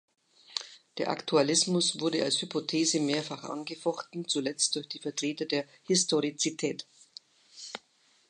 Der Aktualismus wurde als Hypothese mehrfach angefochten, zuletzt durch die Vertreter der "Historizität".